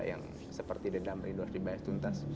yang seperti dendam ridulah dibayas tuntas